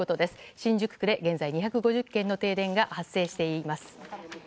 新宿区で現在２５０軒の停電が発生しています。